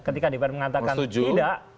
ketika dpr mengatakan tidak